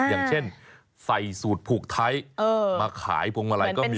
อย่างเช่นใส่สูตรผูกไทยมาขายพวงมาลัยก็มี